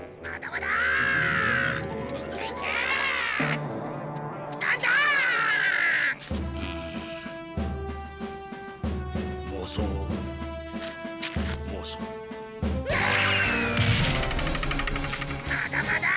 まだまだ！